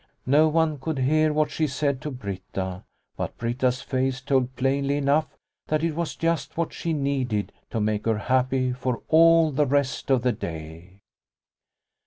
No one could hear what she said to Britta, but Britta's face told plainly enough that it was just what she needed to make her happy for all the rest of the day.